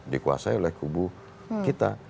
dikuasai oleh kubu kita